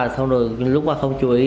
xong rồi lúc bà không chú ý